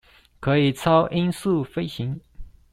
可以超音速飛行